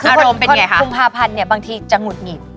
คุณคุมภาพันธุ์เนี่ยบางทีจะหงุดหงีด